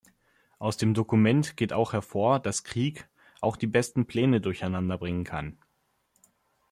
Aus dem Dokument geht auch hervor, dass Krieg auch die besten Pläne durcheinanderbringen kann.